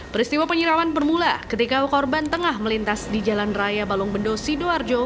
peristiwa penyiraman bermula ketika korban tengah melintas di jalan raya balungbendo sidoarjo